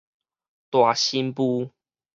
大新婦